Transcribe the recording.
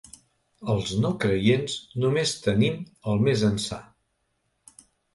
Els no creients només tenim el més ençà.